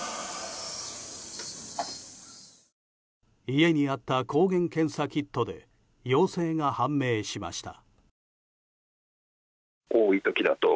家にあった抗原検査キットで陽性が判明しました。